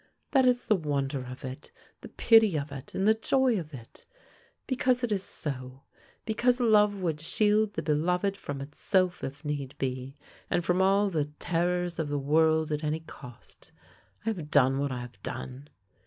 That is the wonder of it, the pity of it, and the joy of it. Because it is so, because love would shield the beloved from itself if need be, and from all the terrors of the world at any cost, I have done what I have done.